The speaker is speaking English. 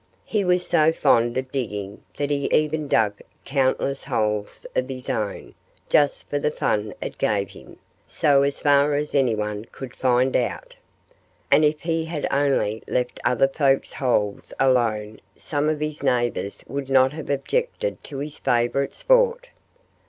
He was so fond of digging that he even dug countless holes of his own, just for the fun it gave him so far as anybody could find out. And if he had only left other folk's holes alone some of his neighbors would not have objected to his favorite sport.